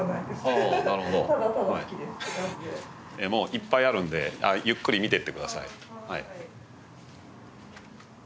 いっぱいあるんでゆっくり見ていって下さい。